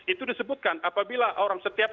itu disebutkan apabila orang setiap